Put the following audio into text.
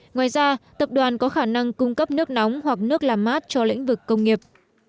ngoài ra tập đoàn có khả năng cung cấp nước nóng hoặc nước làm mát cho lĩnh vực công nghiệp